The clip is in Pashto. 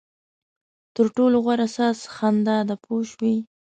تر ټولو غوره ساز خندا ده پوه شوې!.